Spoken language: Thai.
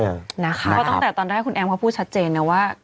เพราะตั้งแต่ตอนแรกคุณแอมเขาพูดชัดเจนนะว่า